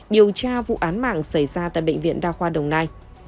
điều tra vụ án mạng xảy ra tại bệnh viện đa khoa đồng nai